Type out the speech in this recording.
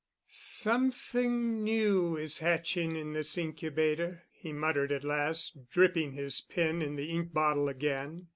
"Something new is hatching in this incubator," he muttered at last, dipping his pen in the ink bottle again.